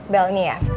bel nih ya